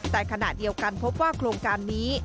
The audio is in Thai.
แต่ขณะเดียวกันพบว่าโครงการนี้